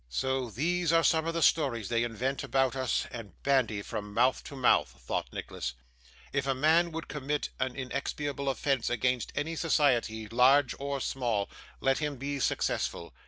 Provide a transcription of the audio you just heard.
'So these are some of the stories they invent about us, and bandy from mouth to mouth!' thought Nicholas. 'If a man would commit an inexpiable offence against any society, large or small, let him be successful.